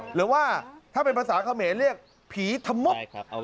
หรือว่าถ้าเป็นภาษาเขมรเรียกผีธมก